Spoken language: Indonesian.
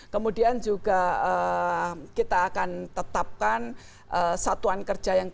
kemudian juga kita akan tetapkan satuan kerja yang